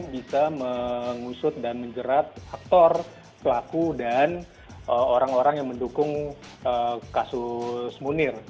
bisa mengusut dan menjerat aktor pelaku dan orang orang yang mendukung kasus munir